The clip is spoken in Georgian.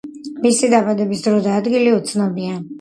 მისი დაბადების დრო და ადგილი უცნობია.